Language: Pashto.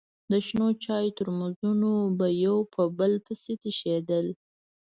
د شنو چايو ترموزونه به يو په بل پسې تشېدل.